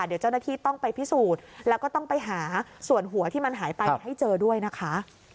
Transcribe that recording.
เดี๋ยวเจ้าหน้าที่ต้องไปพิสูจน์แล้วก็ต้องไปหาส่วนหัวที่มันหายไปให้เจอด้วยนะคะ